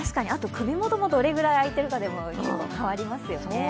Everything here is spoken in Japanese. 首元もどれだけ開いてるかでも、変わりますよね。